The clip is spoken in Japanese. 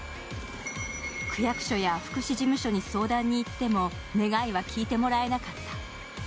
区役所や福祉事務所に相談に行っても願いは聞いてもらえなかった。